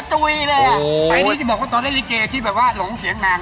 ใครอย่างนี้ก็จะบอกว่าตอนเล่นเล็กเกย์ที่แบบว่าหลงเสียงนาง